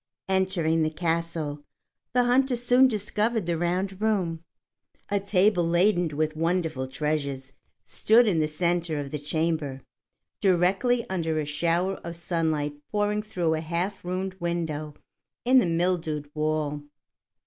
Entering the castle, the hunter soon discovered the round room. A table laden with wonderful treasures stood in the centre of the chamber, directly under a shower of sunlight pouring through a half ruined window in the mildewed wall.